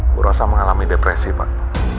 bu rosa mengalami depresi pak